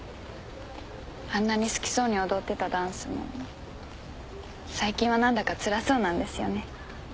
あんなに好きそうに踊ってたダンスも最近は何だかつらそうなんですよね。